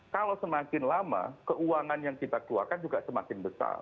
kalau semakin lama keuangan yang kita keluarkan juga semakin besar